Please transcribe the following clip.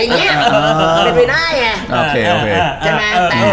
เจ่มันนี่มิงทิศอะไรงี้ไม่เป็นไรไง